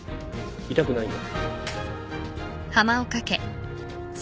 痛くないよ。